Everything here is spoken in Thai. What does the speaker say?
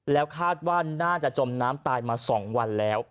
แล้วคาดว่าน่าจะจมน้ำตายมา๒วันแล้ว